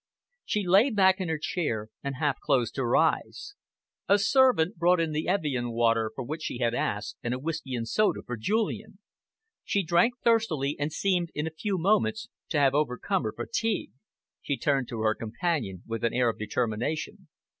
She lay back in her chair and half closed her eyes. A servant brought in the Evian water for which she had asked and a whisky and soda for Julian. She drank thirstily and seemed in a few moments to have overcome her fatigue. She turned to her companion with an air of determination.